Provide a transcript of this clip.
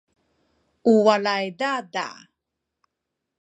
u walay dada’